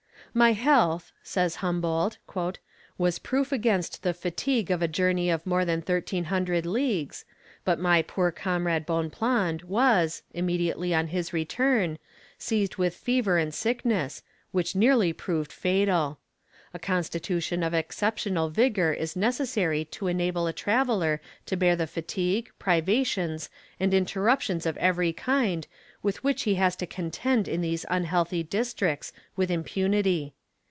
"My health," says Humboldt, "was proof against the fatigue of a journey of more than 1300 leagues, but my poor comrade Bonpland, was, immediately on his return, seized with fever and sickness, which nearly proved fatal. A constitution of exceptional vigour is necessary to enable a traveller to bear the fatigue, privations, and interruptions of every kind with which he has to contend in these unhealthy districts, with impunity.